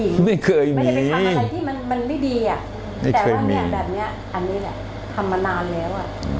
ที่เนี่ยคือซื้อของทำมาอะไรพวกเนี้ยปลูกสร้างมา